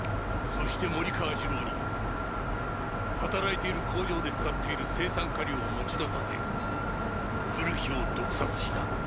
そして森川次郎に働いている工場で使っている青酸カリを持ち出させ古木を毒殺した。